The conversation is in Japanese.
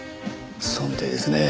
そうみたいですね。